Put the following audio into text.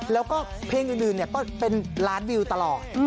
แล้วก็เพลงอื่นก็เป็นล้านวิวตลอด